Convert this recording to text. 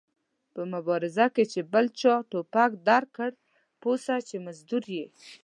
په مبارزه کې چې بل چا ټوپک درکړ پوه سه چې مزدور ېې